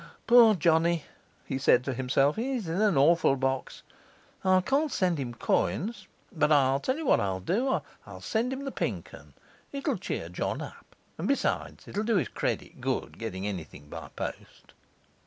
'Poor Johnny,' he said to himself, 'he's in an awful box! I can't send him coins, but I'll tell you what I'll do: I'll send him the Pink Un it'll cheer John up; and besides, it'll do his credit good getting anything by post.